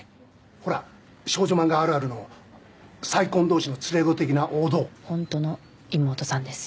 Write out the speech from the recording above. ほら少女漫画あるあるの再婚どうしの連れ子的な王道本当の妹さんです